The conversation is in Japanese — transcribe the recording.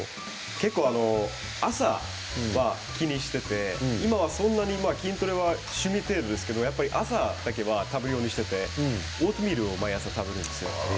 結構、朝は気にしていて今は、そんなに筋トレは趣味程度ですけれども朝だけは食べるようにしていてオートミールを毎朝食べるんですよ。